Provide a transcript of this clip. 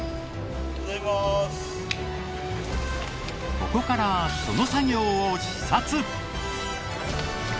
ここからその作業を視察！